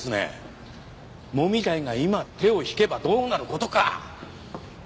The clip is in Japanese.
もみ会が今手を引けばどうなる事か！